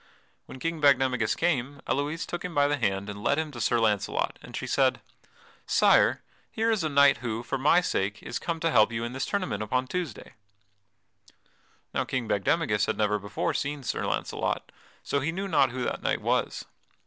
When King Bagdemagus came, Elouise took him by the hand and led him to Sir Launcelot, and she said: "Sire, here is a knight who, for my sake, is come to help you in this tournament upon Tuesday." Now King Bagdemagus had never before seen Sir Launcelot, so he knew not who that knight was.